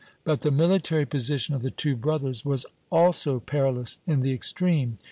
But the military position of the two brothers was also perilous in the extreme.